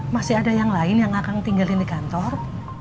masih ada yang lain yang akan tinggalin di kantor